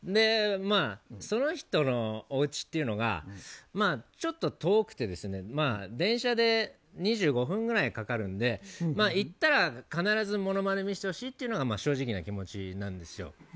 その人のおうちがちょっと遠くて電車で２５分ぐらいかかるので行ったら必ずモノマネ見せてほしいってのが正直な気持ちなんですよ。